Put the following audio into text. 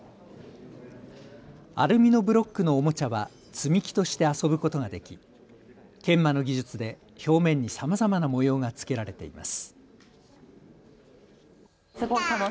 アルミのブロックのおもちゃは積み木として遊ぶことができ研磨の技術で表面にさまざまな模様がつけられています。